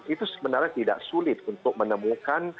itu sebenarnya tidak sulit untuk menemukan